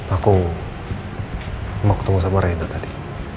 aku mau ketemu sama reinhard tadi